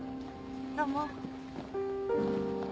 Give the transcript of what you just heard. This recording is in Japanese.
どうも。